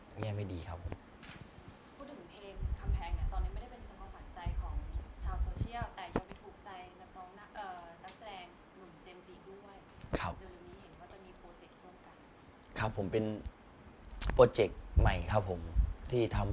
เอาไปทางหาที่ดีนะครับไม่ให้เขามองเราไปยังไงไม่ดีครับ